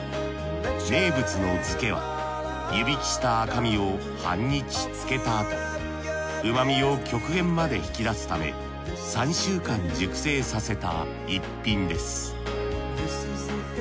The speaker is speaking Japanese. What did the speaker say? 名物のヅケは湯引きした赤身を半日漬けたあと旨みを極限まで引き出すため３週間熟成させた逸品です。